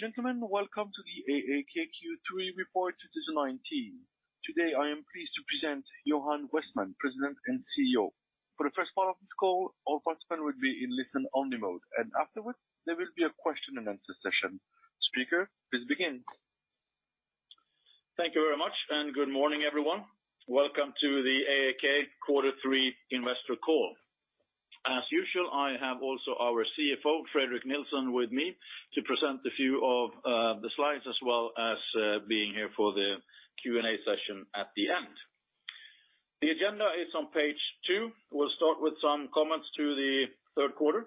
Ladies and gentlemen, welcome to the AAK Q3 Report 2019. Today, I am pleased to present Johan Westman, President and CEO. For the first part of this call, all participants will be in listen-only mode, and afterwards, there will be a question and answer session. Speaker, please begin. Thank you very much. Good morning, everyone. Welcome to the AAK Quarter Three Investor Call. As usual, I have also our CFO, Fredrik Nilsson, with me to present a few of the slides as well as being here for the Q&A session at the end. The agenda is on page two. We'll start with some comments to the third quarter,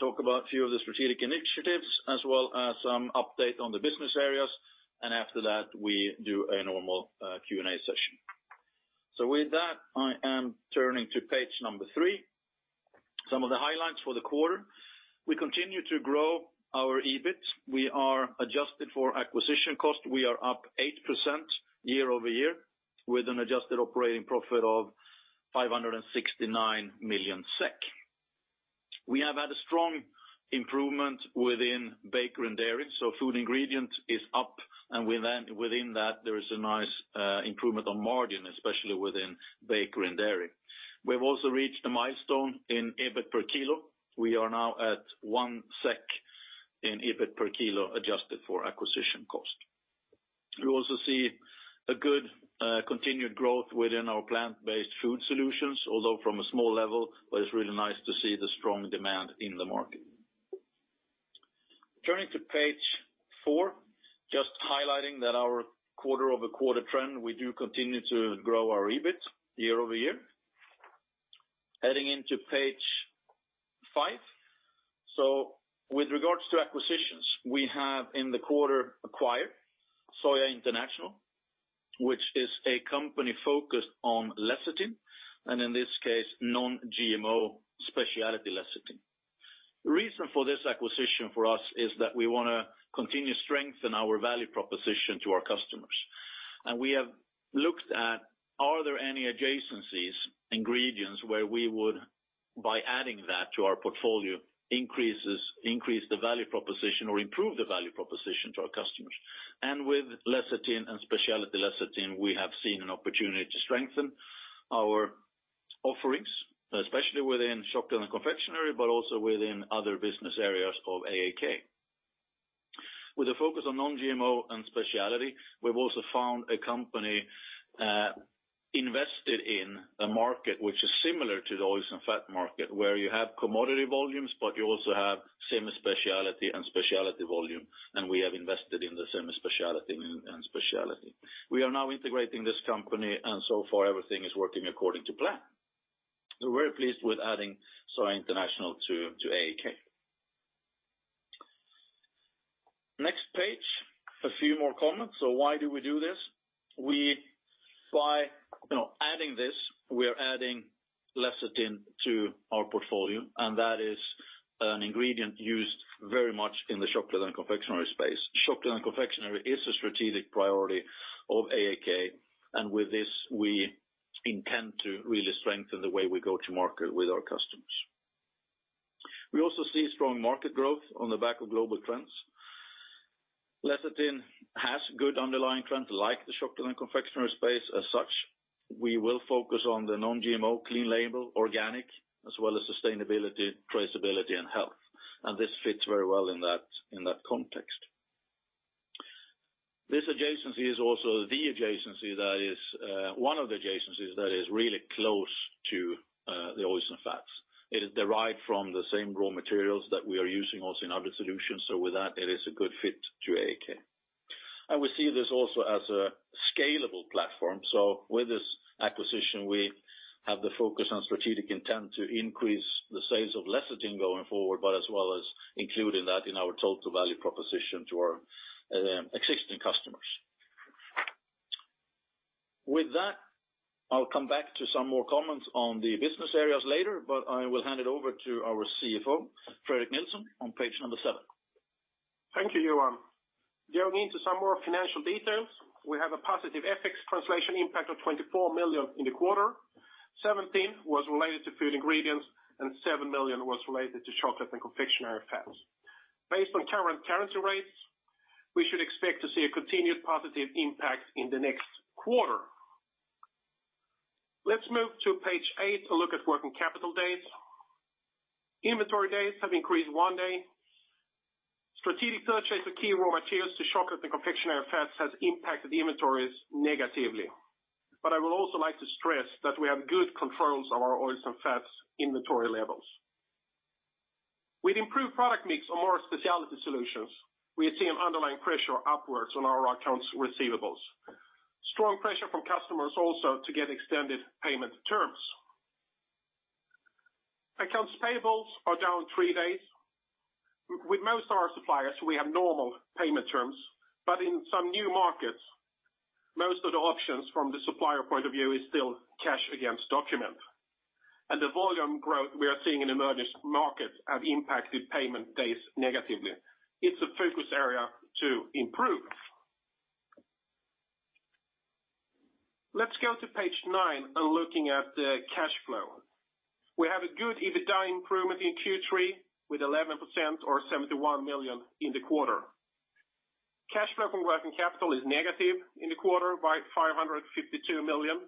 talk about a few of the strategic initiatives, as well as some update on the business areas. After that, we do a normal Q&A session. With that, I am turning to page number three. Some of the highlights for the quarter. We continue to grow our EBIT. We are adjusted for acquisition cost. We are up 8% year-over-year with an adjusted operating profit of 569 million SEK. We have had a strong improvement within bakery and dairy, so Food Ingredients is up, and within that, there is a nice improvement on margin, especially within bakery and dairy. We've also reached a milestone in EBIT per kilo. We are now at 1 SEK in EBIT per kilo, adjusted for acquisition cost. We also see a good continued growth within our plant-based food solutions, although from a small level, but it's really nice to see the strong demand in the market. Turning to page four, just highlighting that our quarter-over-quarter trend, we do continue to grow our EBIT year-over-year. Heading into page five. With regards to acquisitions, we have in the quarter acquired Soya International, which is a company focused on lecithin, and in this case, non-GMO speciality lecithin. The reason for this acquisition for us is that we want to continue to strengthen our value proposition to our customers. We have looked at, are there any adjacencies, ingredients where we would, by adding that to our portfolio, increase the value proposition or improve the value proposition to our customers? With lecithin and speciality lecithin, we have seen an opportunity to strengthen our offerings, especially within chocolate and confectionery, but also within other business areas of AAK. With a focus on non-GMO and speciality, we've also found a company invested in a market which is similar to the oils and fat market, where you have commodity volumes, but you also have semi-speciality and speciality volume, and we have invested in the semi-speciality and speciality. We are now integrating this company, and so far, everything is working according to plan. We're very pleased with adding Soya International to AAK. Next page, a few more comments. Why do we do this? By adding this, we are adding lecithin to our portfolio, and that is an ingredient used very much in the chocolate and confectionery space. Chocolate & Confectionery is a strategic priority of AAK, and with this, we intend to really strengthen the way we go to market with our customers. We also see strong market growth on the back of global trends. Lecithin has good underlying trends like the chocolate and confectionery space. As such, we will focus on the non-GMO clean label, organic, as well as sustainability, traceability, and health. This fits very well in that context. This adjacency is also one of the adjacencies that is really close to the oils and fats. It is derived from the same raw materials that we are using also in other solutions. With that, it is a good fit to AAK. We see this also as a scalable platform. With this acquisition, we have the focus on strategic intent to increase the sales of lecithin going forward, but as well as including that in our total value proposition to our existing customers. With that, I'll come back to some more comments on the business areas later, I will hand it over to our CFO, Fredrik Nilsson, on page number seven. Thank you, Johan. Delving into some more financial details, we have a positive FX translation impact of 24 million in the quarter. 17 million was related to Food Ingredients, and 7 million was related to Chocolate & Confectionery Fats. Based on current currency rates, we should expect to see a continued positive impact in the next quarter. Let's move to page eight to look at working capital days. Inventory days have increased one day. Strategic purchase of key raw materials to Chocolate & Confectionery Fats has impacted inventories negatively. I would also like to stress that we have good controls of our oils and fats inventory levels. With improved product mix or more speciality solutions, we have seen underlying pressure upwards on our accounts receivables. Strong pressure from customers also to get extended payment terms. Accounts payables are down three days. With most of our suppliers, we have normal payment terms, but in some new markets, most of the options from the supplier point of view is still cash against document. The volume growth we are seeing in emerging markets have impacted payment days negatively. It's a focus area to improve. Let's go to page nine and looking at the cash flow. We have a good EBITDA improvement in Q3 with 11% or 71 million in the quarter. Cash flow from working capital is negative in the quarter by 552 million.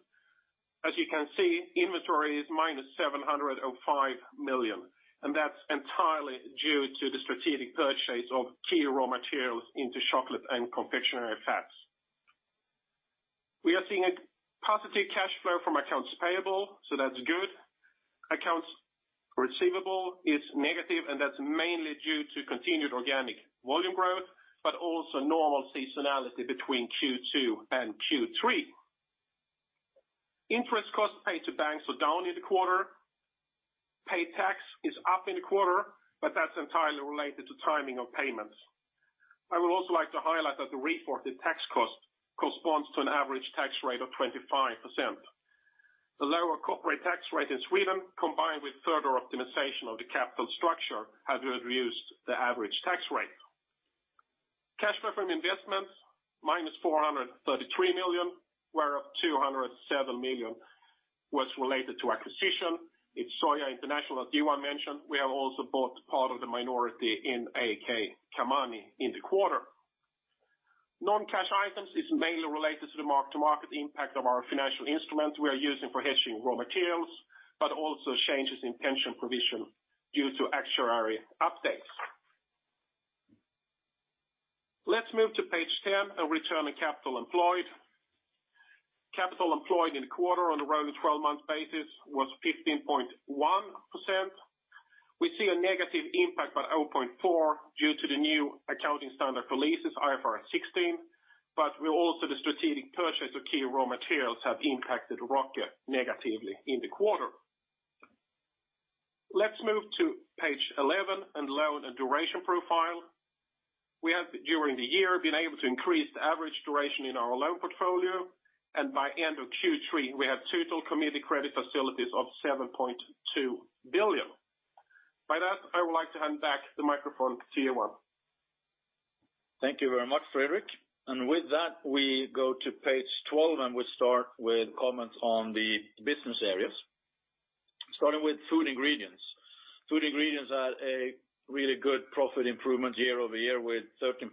As you can see, inventory is minus 705 million, and that's entirely due to the strategic purchase of key raw materials into Chocolate & Confectionery Fats. We are seeing a positive cash flow from accounts payable, so that's good. Accounts receivable is negative, and that's mainly due to continued organic volume growth, but also normal seasonality between Q2 and Q3. Interest costs paid to banks are down in the quarter. Paid tax is up in the quarter, but that's entirely related to timing of payments. I would also like to highlight that the reported tax cost corresponds to an average tax rate of 25%. The lower corporate tax rate in Sweden, combined with further optimization of the capital structure, have reduced the average tax rate. Cash flow from investments minus 433 million, whereof 207 million was related to acquisition. In Soya International, as Johan mentioned, we have also bought part of the minority in AAK Kamani in the quarter. Non-cash items is mainly related to the mark to market impact of our financial instruments we are using for hedging raw materials, but also changes in pension provision due to actuary updates. Let's move to page 10 on Return on Capital Employed. Capital employed in the quarter on a rolling 12-month basis was 15.1%. We see a negative impact by 0.4 due to the new accounting standard for leases, IFRS 16, but where also the strategic purchase of key raw materials have impacted ROCE negatively in the quarter. Let's move to page 11 and loan and duration profile. We have, during the year, been able to increase the average duration in our loan portfolio, and by end of Q3, we have total committed credit facilities of 7.2 billion. By that, I would like to hand back the microphone to Johan. Thank you very much, Fredrik. With that, we go to page 12, and we start with comments on the business areas. Starting with Food Ingredients. Food Ingredients had a really good profit improvement year-over-year with 13%.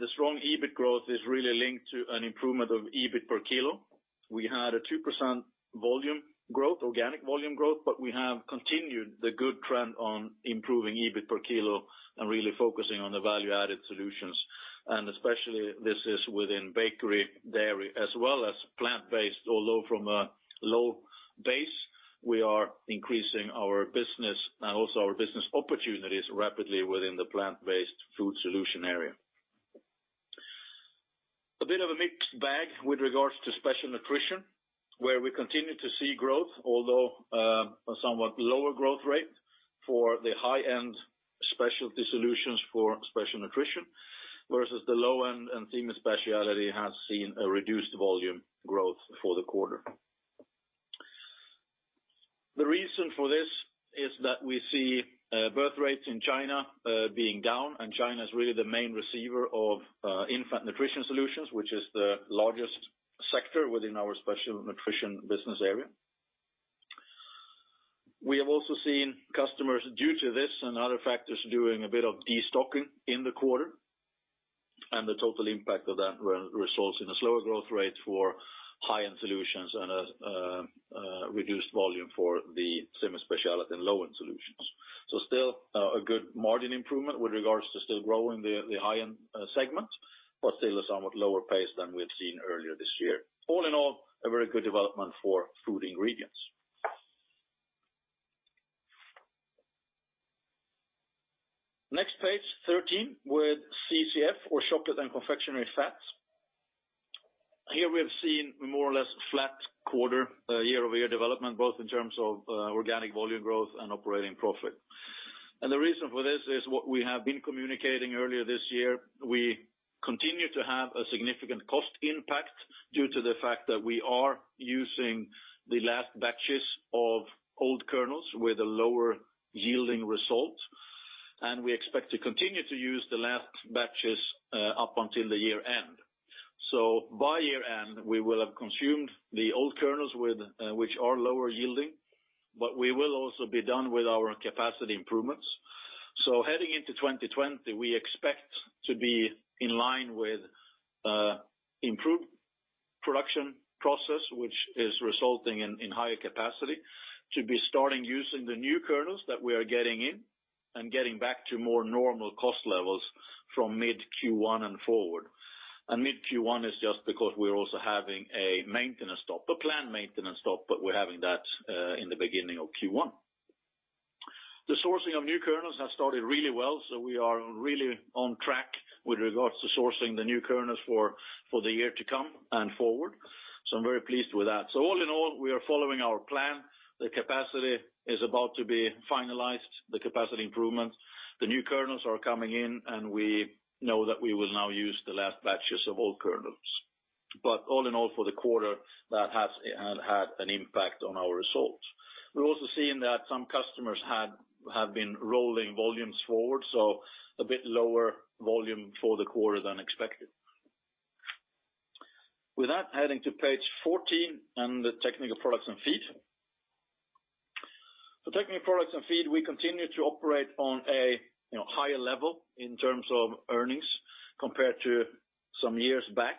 The strong EBIT growth is really linked to an improvement of EBIT per kilo. We had a 2% volume growth, organic volume growth, but we have continued the good trend on improving EBIT per kilo and really focusing on the value-added solutions. Especially this is within bakery, dairy, as well as plant-based. Although from a low base, we are increasing our business and also our business opportunities rapidly within the plant-based food solution area. A bit of a mixed bag with regards to Special Nutrition, where we continue to see growth, although a somewhat lower growth rate for the high-end specialty solutions for Special Nutrition, versus the low end and semi-specialty has seen a reduced volume growth for the quarter. The reason for this is that we see birth rates in China being down, and China is really the main receiver of infant nutrition solutions, which is the largest sector within our Special Nutrition business area. We have also seen customers, due to this and other factors, doing a bit of de-stocking in the quarter, and the total impact of that results in a slower growth rate for high-end solutions and a reduced volume for the semi-specialty and low-end solutions. Still a good margin improvement with regards to still growing the high-end segment, but still a somewhat lower pace than we had seen earlier this year. All in all, a very good development for Food Ingredients. Next page, 13, with CCF or Chocolate & Confectionery Fats. Here we have seen more or less flat quarter year-over-year development, both in terms of organic volume growth and operating profit. The reason for this is what we have been communicating earlier this year. We continue to have a significant cost impact due to the fact that we are using the last batches of old kernels with a lower yielding result, and we expect to continue to use the last batches up until the year-end. By year-end, we will have consumed the old kernels which are lower yielding, but we will also be done with our capacity improvements. Heading into 2020, we expect to be in line with improved production process, which is resulting in higher capacity to be starting using the new kernels that we are getting in and getting back to more normal cost levels from mid Q1 and forward. Mid Q1 is just because we're also having a maintenance stop, a planned maintenance stop, but we're having that in the beginning of Q1. The sourcing of new kernels has started really well, so we are really on track with regards to sourcing the new kernels for the year to come and forward. I'm very pleased with that. All in all, we are following our plan. The capacity is about to be finalized, the capacity improvement. The new kernels are coming in, and we know that we will now use the last batches of old kernels. All in all, for the quarter that had an impact on our results. We're also seeing that some customers have been rolling volumes forward, so a bit lower volume for the quarter than expected. With that, heading to page 14 and the Technical Products & Feed. For Technical Products & Feed, we continue to operate on a higher level in terms of earnings compared to some years back.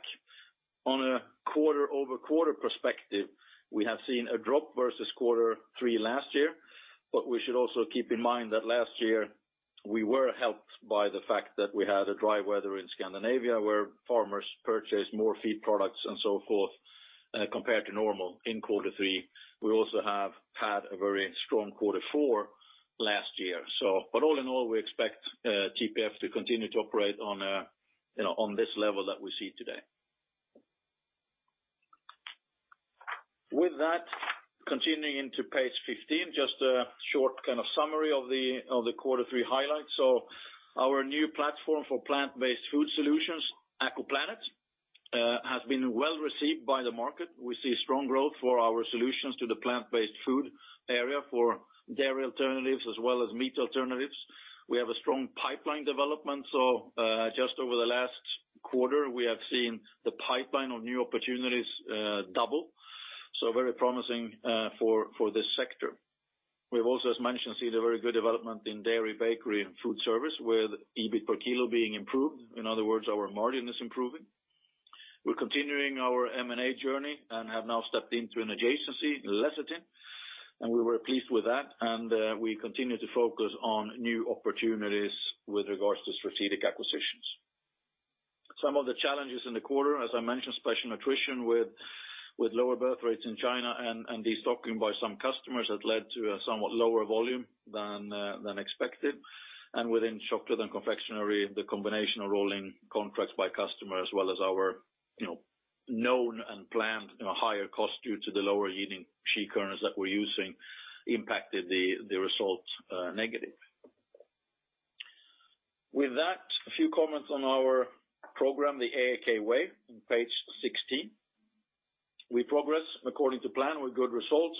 On a quarter-over-quarter perspective, we have seen a drop versus quarter three last year, but we should also keep in mind that last year we were helped by the fact that we had a dry weather in Scandinavia, where farmers purchased more feed products and so forth, compared to normal in quarter three. We also have had a very strong quarter four last year. All in all, we expect TPF to continue to operate on this level that we see today. Continuing into page 15, just a short summary of the quarter three highlights. Our new platform for plant-based food solutions, AkoPlanet, has been well-received by the market. We see strong growth for our solutions to the plant-based food area for dairy alternatives as well as meat alternatives. We have a strong pipeline development. Just over the last quarter, we have seen the pipeline of new opportunities double, very promising for this sector. We've also, as mentioned, seen a very good development in dairy, bakery, and food service with EBIT per kilo being improved. In other words, our margin is improving. We're continuing our M&A journey and have now stepped into an adjacency, lecithin, and we were pleased with that, and we continue to focus on new opportunities with regards to strategic acquisitions. Some of the challenges in the quarter, as I mentioned, Special Nutrition with lower birth rates in China and destocking by some customers has led to a somewhat lower volume than expected, and within Chocolate & Confectionery Fats, the combination of rolling contracts by customers as well as our known and planned higher cost due to the lower yielding shea kernels that we're using impacted the results negative. With that, a few comments on our program, The AAK Way, on page 16. We progress according to plan with good results.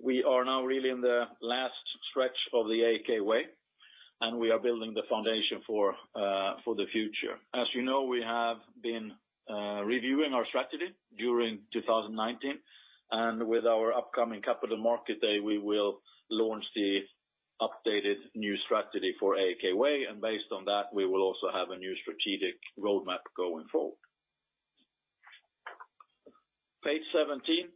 We are now really in the last stretch of The AAK Way, and we are building the foundation for the future. As you know, we have been reviewing our strategy during 2019. With our upcoming Capital Markets Day, we will launch the updated new strategy for The AAK Way. Based on that, we will also have a new strategic roadmap going forward. Page 17.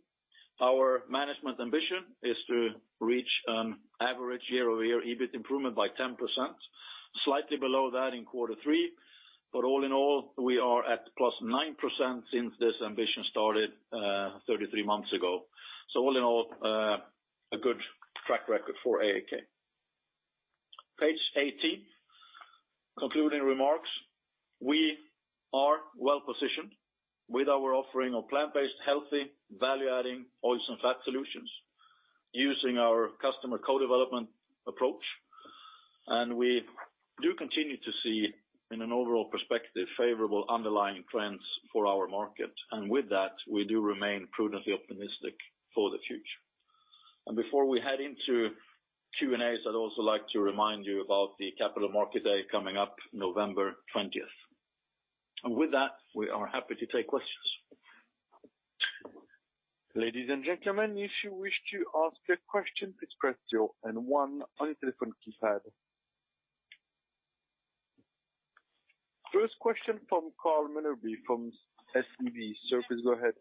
Our management ambition is to reach an average year-over-year EBIT improvement by 10%, slightly below that in quarter three, but all in all, we are at +9% since this ambition started 33 months ago. All in all, a good track record for AAK. Page 18, concluding remarks. We are well-positioned with our offering of plant-based, healthy, value-adding oils and fat solutions using our customer co-development approach, and we do continue to see, in an overall perspective, favorable underlying trends for our market. With that, we do remain prudently optimistic for the future. Before we head into Q&As, I'd also like to remind you about the Capital Markets Day coming up November 20th. With that, we are happy to take questions. Ladies and gentlemen, if you wish to ask a question, please press zero and one on the telephone keypad. First question from Karl Mellerby from SEB. Sir, please go ahead.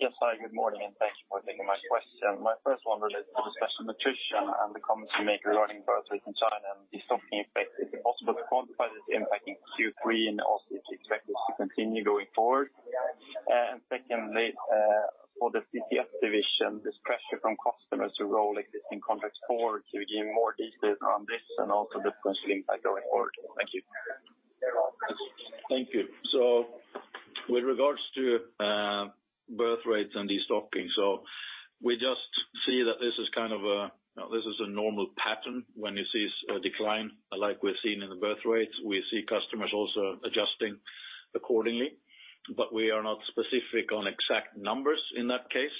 Yes. Hi, good morning. Thank you for taking my question. My first one relates to the Special Nutrition and the comments you make regarding birthrates in China and destocking impact. Is it possible to quantify this impact in Q3 and also if you expect this to continue going forward? Secondly, for the CCF division, this pressure from customers to roll existing contracts forward, can you give more details on this and also the potential impact going forward? Thank you. Thank you. With regards to birthrates and destocking, we just see that this is a normal pattern when you see a decline like we're seeing in the birthrates. We see customers also adjusting accordingly, but we are not specific on exact numbers in that case.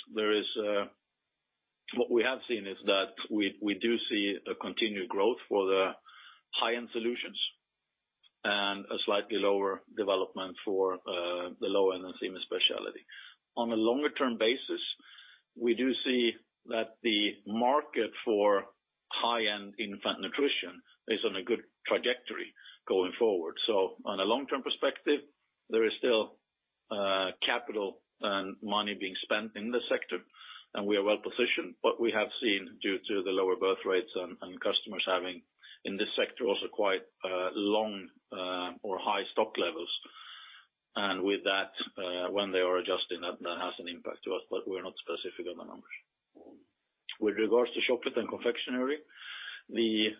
What we have seen is that we do see a continued growth for the high-end solutions and a slightly lower development for the low-end and semi-specialty. On a longer-term basis, we do see that the market for high-end infant nutrition is on a good trajectory going forward. On a long-term perspective, there is still capital and money being spent in the sector, and we are well-positioned. We have seen, due to the lower birthrates and customers having, in this sector, also quite long or high stock levels. With that, when they are adjusting, that has an impact to us, but we're not specific on the numbers. With regards to chocolate and confectionery, the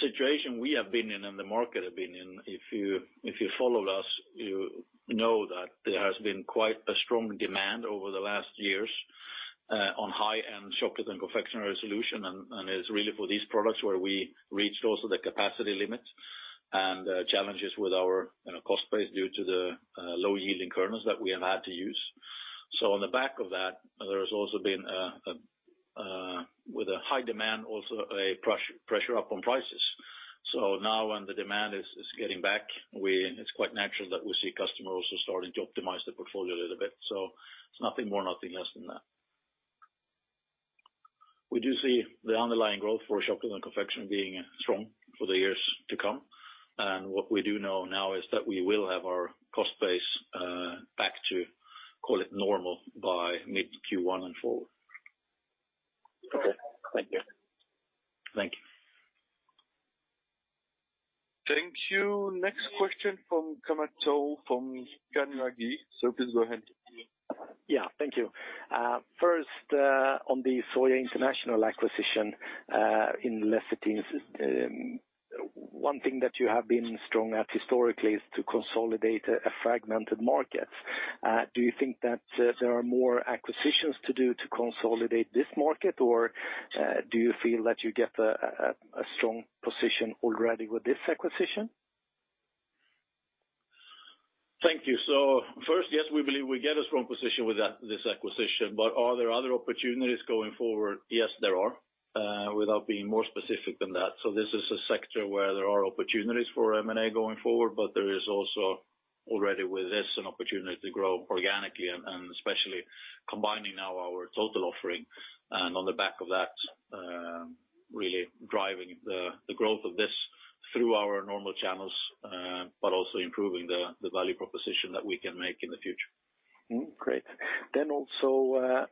situation we have been in and the market have been in, if you followed us, you know that there has been quite a strong demand over the last years on high-end chocolate and confectionery solution, and it's really for these products where we reached also the capacity limit. Challenges with our cost base due to the low-yielding kernels that we have had to use. On the back of that, there's also been, with a high demand, also a pressure up on prices. Now when the demand is getting back, it's quite natural that we see customers also starting to optimize their portfolio a little bit. It's nothing more, nothing less than that. We do see the underlying growth for chocolate and confection being strong for the years to come, and what we do know now is that we will have our cost base back to, call it normal, by mid Q1 and forward. Okay. Thank you. Thank you. Thank you. Next question from Kenneth Toll from Carnegie. Please go ahead. Yeah, thank you. First, on the Soya International acquisition in lecithins. One thing that you have been strong at historically is to consolidate fragmented markets. Do you think that there are more acquisitions to do to consolidate this market, or do you feel that you get a strong position already with this acquisition? Thank you. First, yes, we believe we get a strong position with this acquisition. Are there other opportunities going forward? Yes, there are, without being more specific than that. This is a sector where there are opportunities for M&A going forward, but there is also already with this, an opportunity to grow organically and especially combining now our total offering, and on the back of that, really driving the growth of this through our normal channels, but also improving the value proposition that we can make in the future. Great. Also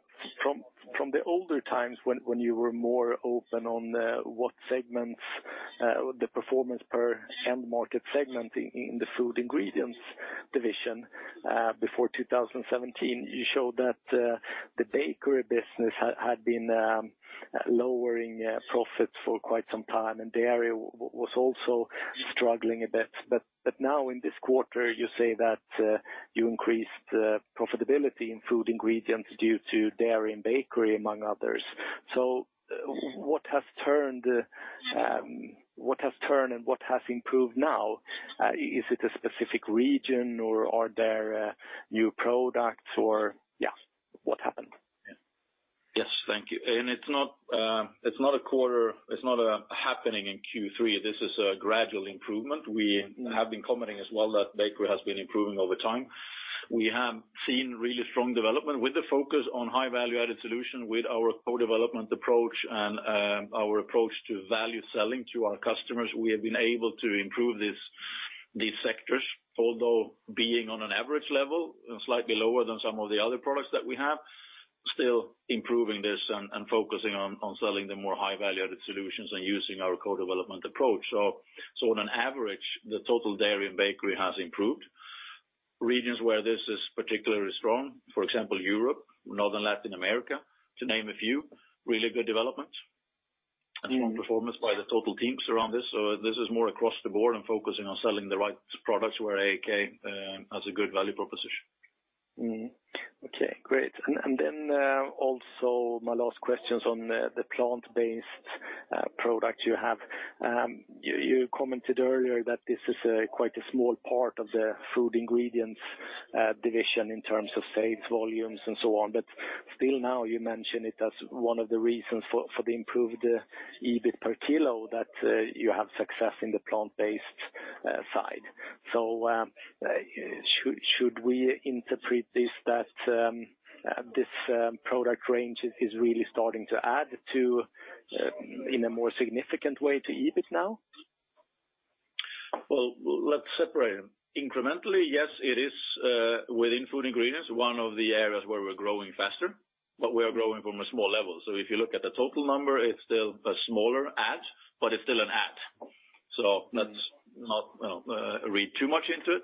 from the older times when you were more open on what segments, the performance per end market segment in the Food Ingredients division before 2017, you showed that the bakery business had been lowering profits for quite some time, and dairy was also struggling a bit. Now in this quarter, you say that you increased profitability in Food Ingredients due to dairy and bakery, among others. What has turned and what has improved now? Is it a specific region or are there new products? Yeah, what happened? Yes. Thank you. It's not a quarter, it's not happening in Q3. This is a gradual improvement. We have been commenting as well that bakery has been improving over time. We have seen really strong development with the focus on high-value added solution with our co-development approach and our approach to value selling to our customers. We have been able to improve these sectors, although being on an average level and slightly lower than some of the other products that we have, still improving this and focusing on selling the more high-value added solutions and using our co-development approach. On average, the total dairy and bakery has improved. Regions where this is particularly strong, for example, Europe, Northern Latin America, to name a few, really good development and performance by the total teams around this. This is more across the board and focusing on selling the right products where AAK has a good value proposition. Okay, great. My last questions on the plant-based products you have. You commented earlier that this is quite a small part of the Food Ingredients division in terms of sales volumes and so on, but still now you mention it as one of the reasons for the improved EBIT per kilo, that you have success in the plant-based side. Should we interpret this that this product range is really starting to add in a more significant way to EBIT now? Well, let's separate them. Incrementally, yes, it is within Food Ingredients, one of the areas where we're growing faster, but we are growing from a small level. If you look at the total number, it's still a smaller add, but it's still an add. Let's not read too much into it.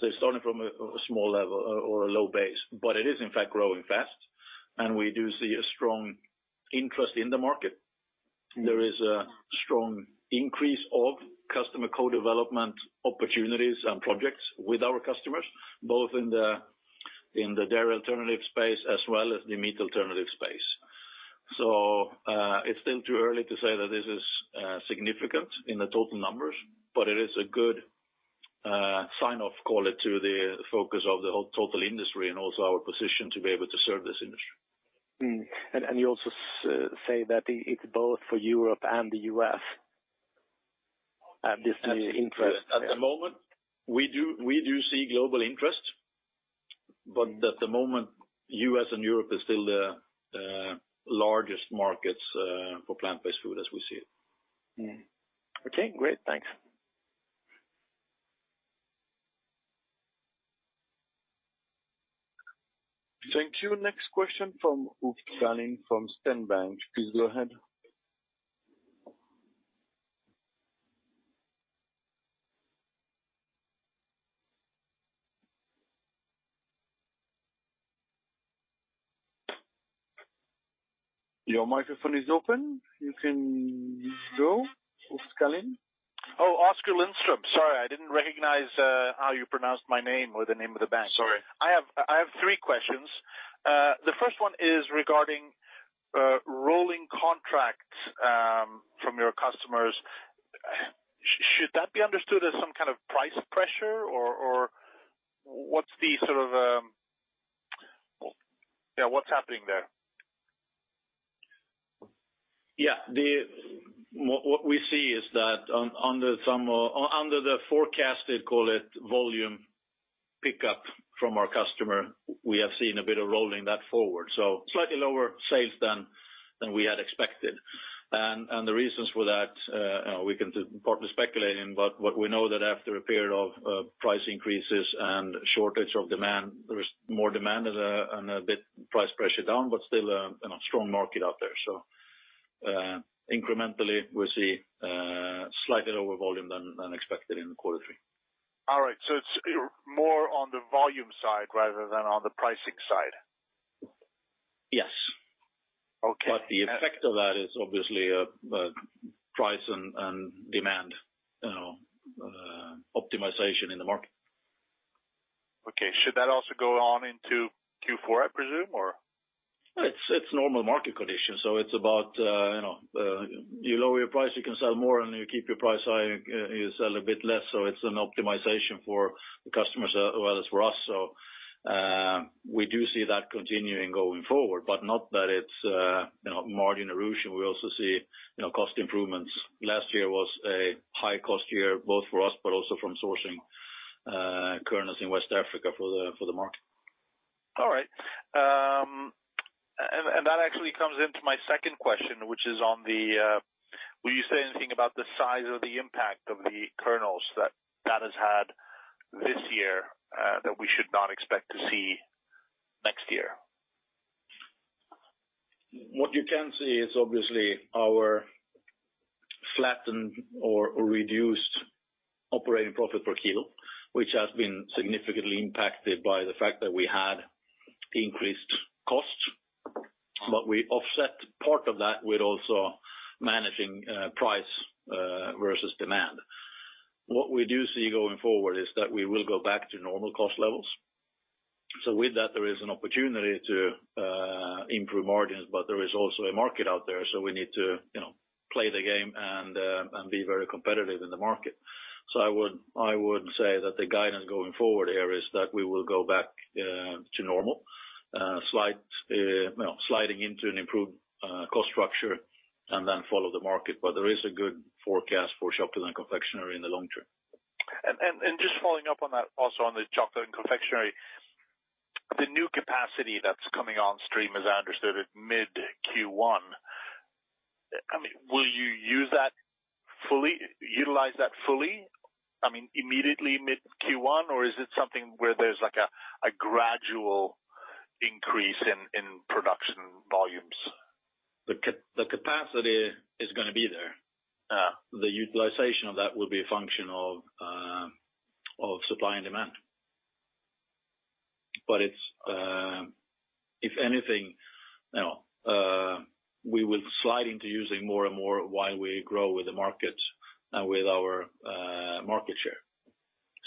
It's starting from a small level or a low base, but it is in fact growing fast, and we do see a strong interest in the market. There is a strong increase of customer co-development opportunities and projects with our customers, both in the dairy alternative space as well as the meat alternative space. It's still too early to say that this is significant in the total numbers, but it is a good sign off, call it, to the focus of the whole total industry and also our position to be able to serve this industry. You also say that it's both for Europe and the U.S., this new interest? At the moment, we do see global interest, but at the moment, U.S. and Europe are still the largest markets for plant-based food as we see it. Okay, great. Thanks. Thank you. Next question from Oskar Lindström from Handelsbanken. Please go ahead. Your microphone is open. You can go, Oskar Lindström. Oh, Oskar Lindström. Sorry, I didn't recognize how you pronounced my name or the name of the bank. Sorry. I have three questions. The first one is regarding rolling contracts from your customers, should that be understood as some kind of price pressure? Or what's happening there? What we see is that under the forecasted, call it, volume pickup from our customer, we have seen a bit of rolling that forward. Slightly lower sales than we had expected. The reasons for that, we can partly speculate, but what we know that after a period of price increases and shortage of demand, there is more demand and a bit price pressure down, but still a strong market out there. Incrementally, we see slightly lower volume than expected in the quarter three. All right. It's more on the volume side rather than on the pricing side? Yes. Okay. The effect of that is obviously a price and demand optimization in the market. Okay. Should that also go on into Q4, I presume, or? It's normal market conditions, so it's about you lower your price, you can sell more, and you keep your price high, you sell a bit less. It's an optimization for the customers as well as for us. We do see that continuing going forward, but not that it's margin erosion. We also see cost improvements. Last year was a high-cost year, both for us, but also from sourcing kernels in West Africa for the market. All right. That actually comes into my second question, which is Will you say anything about the size of the impact of the kernels that that has had this year, that we should not expect to see next year? What you can see is obviously our flattened or reduced operating profit per kilo, which has been significantly impacted by the fact that we had increased costs, but we offset part of that with also managing price versus demand. What we do see going forward is that we will go back to normal cost levels. With that, there is an opportunity to improve margins, but there is also a market out there, so we need to play the game and be very competitive in the market. I would say that the guidance going forward here is that we will go back to normal, sliding into an improved cost structure and then follow the market. There is a good forecast for chocolate and confectionery in the long term. Just following up on that, also on the chocolate and confectionery, the new capacity that's coming on stream, as I understood it, mid Q1. Will you utilize that fully? I mean, immediately mid Q1, or is it something where there's a gradual increase in production volumes? The capacity is going to be there. The utilization of that will be a function of supply and demand. If anything, we will slide into using more and more while we grow with the market and with our market share.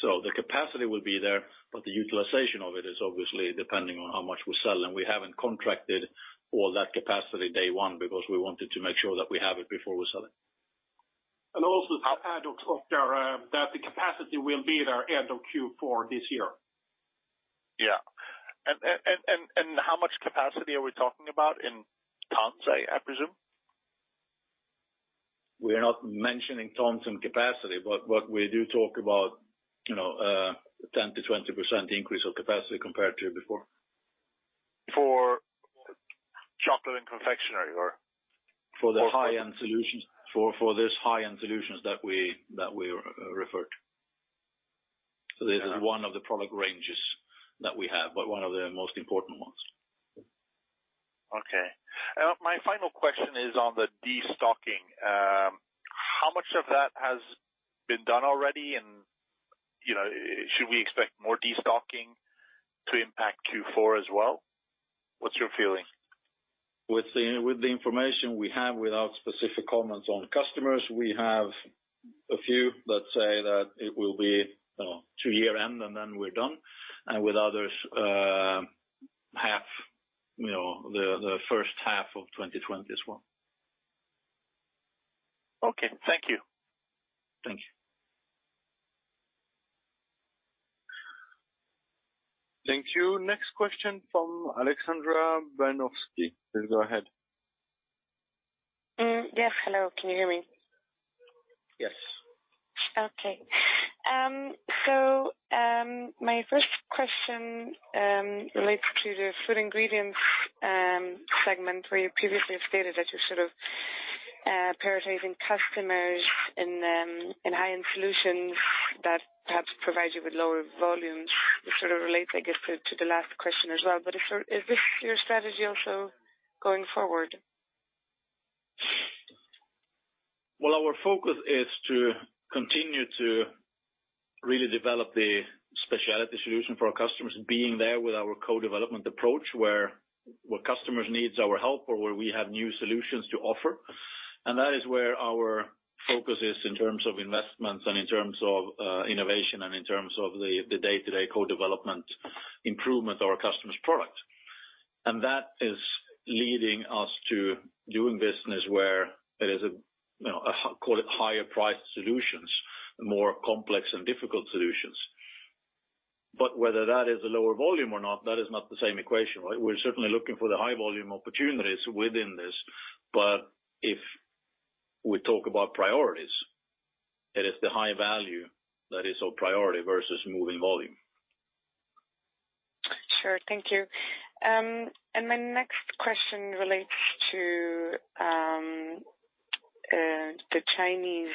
The capacity will be there, but the utilization of it is obviously depending on how much we sell. We haven't contracted all that capacity day one because we wanted to make sure that we have it before we sell it. Also to add on top there that the capacity will be there end of Q4 this year. Yeah. How much capacity are we talking about in tons, I presume? We're not mentioning tons in capacity, what we do talk about, 10%-20% increase of capacity compared to before. For chocolate and confectionery, or? For this high-end solutions that we referred to. This is one of the product ranges that we have, but one of the most important ones. Okay. My final question is on the destocking. How much of that has been done already? Should we expect more destocking to impact Q4 as well? What's your feeling? With the information we have, without specific comments on customers, we have a few that say that it will be to year-end, and then we're done. With others, the first half of 2020 as well. Okay. Thank you. Thank you. Thank you. Next question from Alexia Arietta. Please go ahead. Yes. Hello. Can you hear me? Yes. Okay. My first question relates to the Food Ingredients segment, where you previously have stated that you're sort of prioritizing customers in high-end solutions that perhaps provide you with lower volumes, which sort of relates, I guess, to the last question as well. Is this your strategy also going forward? Well, our focus is to continue to really develop the specialty solution for our customers, being there with our co-development approach, where customers need our help or where we have new solutions to offer. That is where our focus is in terms of investments, and in terms of innovation, and in terms of the day-to-day co-development improvement of our customer's product. That is leading us to doing business where there is a, call it higher priced solutions, more complex and difficult solutions. Whether that is a lower volume or not, that is not the same equation, right? We're certainly looking for the high volume opportunities within this. If we talk about priorities, it is the high value that is our priority versus moving volume. Sure. Thank you. My next question relates to the Chinese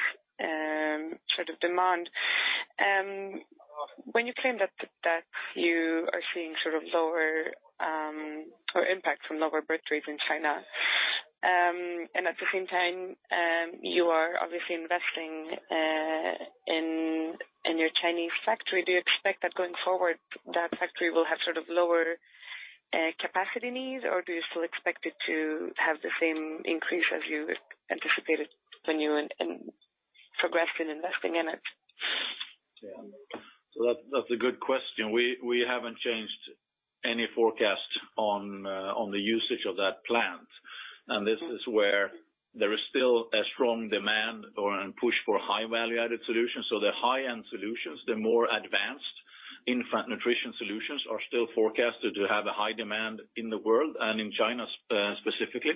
demand. When you claim that you are seeing impact from lower birth rates in China, and at the same time, you are obviously investing in your Chinese factory, do you expect that going forward, that factory will have lower capacity needs, or do you still expect it to have the same increase as you anticipated when you progressed in investing in it? Yeah. That's a good question. We haven't changed any forecast on the usage of that plant. This is where there is still a strong demand or, and push for high value-added solutions. The high-end solutions, the more advanced infant nutrition solutions are still forecasted to have a high demand in the world and in China specifically.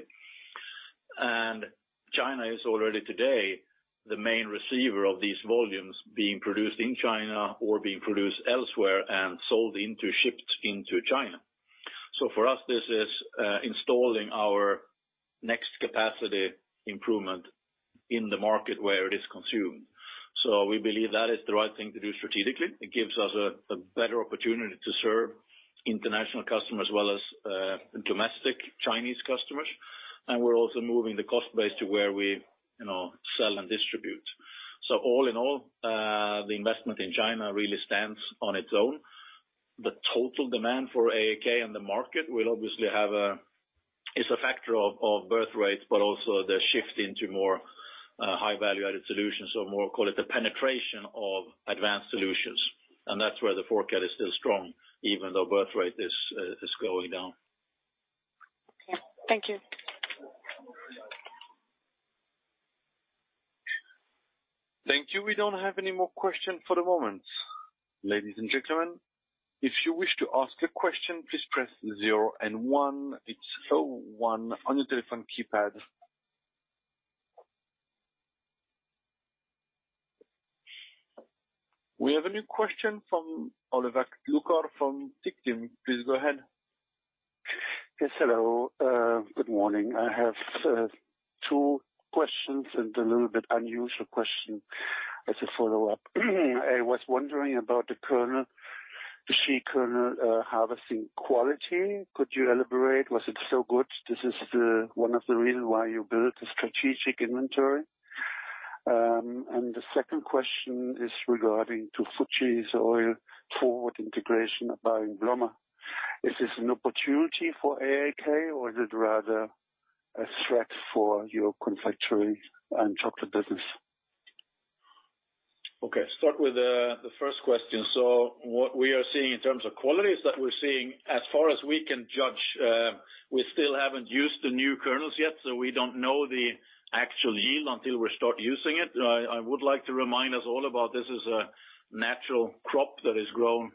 China is already today the main receiver of these volumes being produced in China or being produced elsewhere and sold into, shipped into China. For us, this is installing our next capacity improvement in the market where it is consumed. We believe that is the right thing to do strategically. It gives us a better opportunity to serve international customers as well as domestic Chinese customers. We're also moving the cost base to where we sell and distribute. All in all, the investment in China really stands on its own. The total demand for AAK and the market is a factor of birth rates, but also the shift into more high-value-added solutions or more, call it the penetration of advanced solutions. That's where the forecast is still strong even though birth rate is going down. Okay. Thank you. Thank you. We don't have any more question for the moment. Ladies and gentlemen, if you wish to ask a question, please press zero and one. It's zero one on your telephone keypad. We have a new question from Olav Aupac from DNB. Please go ahead. Yes, hello. Good morning. I have two questions and a little bit unusual question as a follow-up. I was wondering about the shea kernel harvesting quality. Could you elaborate? Was it so good? This is one of the reason why you built a strategic inventory. The second question is regarding to Fuji Oil forward integration of buying Blommer. Is this an opportunity for AAK or is it rather a threat for your confectionery and chocolate business? Okay. Start with the first question. What we are seeing in terms of quality is that we're seeing as far as we can judge, we still haven't used the new kernels yet, so we don't know the actual yield until we start using it. I would like to remind us all about this is a natural crop that is grown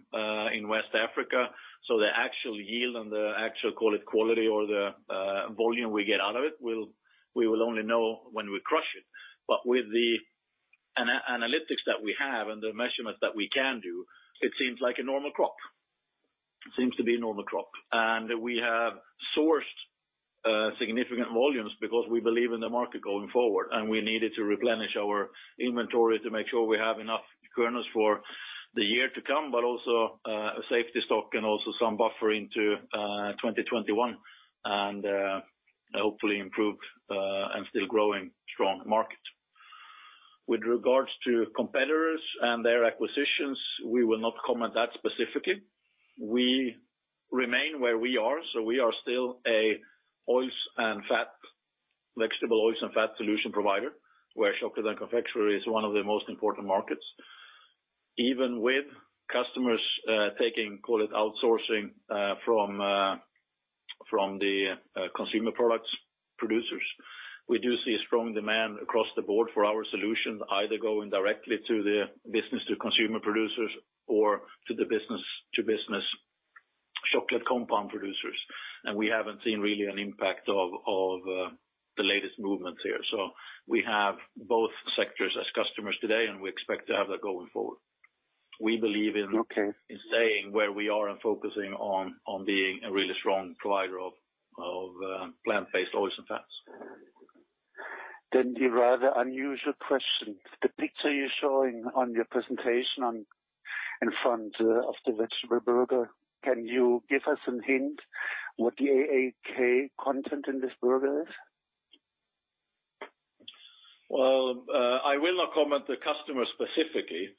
in West Africa. The actual yield and the actual, call it quality or the volume we get out of it, we will only know when we crush it. With the analytics that we have and the measurements that we can do, it seems like a normal crop. It seems to be a normal crop. We have sourced significant volumes because we believe in the market going forward, and we needed to replenish our inventory to make sure we have enough kernels for the year to come, but also a safety stock and also some buffering to 2021, and hopefully improve and still growing strong market. With regards to competitors and their acquisitions, we will not comment that specifically. We remain where we are. We are still a vegetable oils and fats solution provider, where chocolate and confectionery is one of the most important markets. Even with customers taking, call it outsourcing from the consumer products producers. We do see a strong demand across the board for our solution, either going directly to the business to consumer producers or to the business-to-business chocolate compound producers. We haven't seen really an impact of the latest movements here. We have both sectors as customers today, and we expect to have that going forward. We believe in- Okay in staying where we are and focusing on being a really strong provider of plant-based oils and fats. The rather unusual question. The picture you're showing on your presentation in front of the vegetable burger, can you give us some hint what the AAK content in this burger is? Well, I will not comment the customer specifically,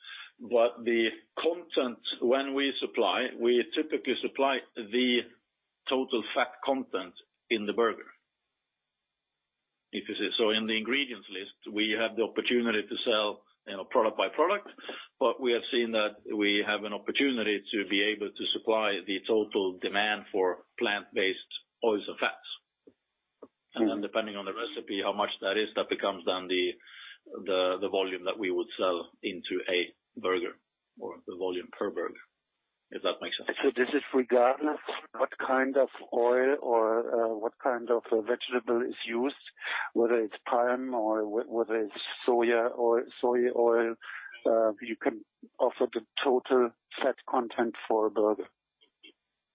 but the content when we supply, we typically supply the total fat content in the burger. In the ingredients list, we have the opportunity to sell product by product, but we have seen that we have an opportunity to be able to supply the total demand for plant-based oils and fats. Depending on the recipe, how much that is, that becomes then the volume that we would sell into a burger or the volume per burger, if that makes sense. This is regardless what kind of oil or what kind of vegetable is used, whether it's palm or whether it's soya or soy oil, you can offer the total fat content for a burger?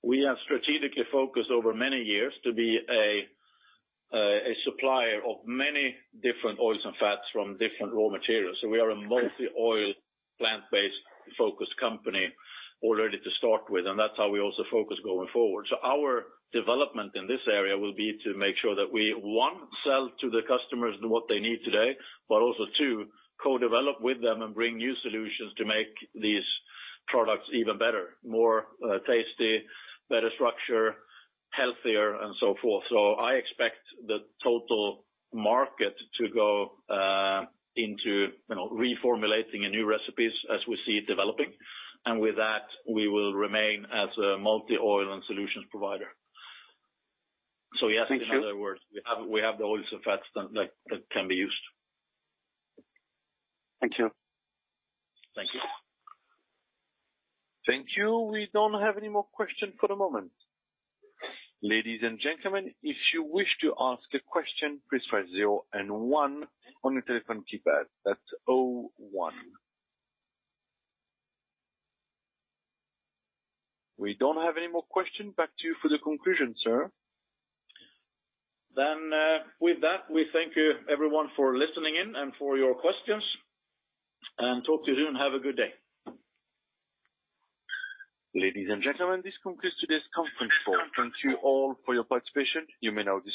We have strategically focused over many years to be a supplier of many different oils and fats from different raw materials. We are a multi-oil, plant-based focused company already to start with, and that's how we also focus going forward. Our development in this area will be to make sure that we, one, sell to the customers what they need today, but also, two, co-develop with them and bring new solutions to make these products even better, more tasty, better structure, healthier and so forth. I expect the total market to go into reformulating new recipes as we see it developing. With that, we will remain as a multi-oil and solutions provider. Thank you. In other words, we have the oils and fats that can be used. Thank you. Thank you. Thank you. We don't have any more question for the moment. Ladies and gentlemen, if you wish to ask a question, please press zero and one on your telephone keypad. That's 01. We don't have any more question. Back to you for the conclusion, sir. With that, we thank you everyone for listening in and for your questions, and talk to you soon. Have a good day. Ladies and gentlemen, this concludes today's conference call. Thank you all for your participation. You may now disconnect.